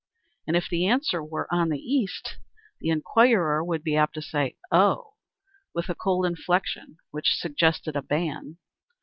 And if the answer were "On the east," the inquirer would be apt to say "Oh!" with a cold inflection which suggested a ban.